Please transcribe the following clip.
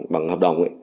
bằng hợp đồng ấy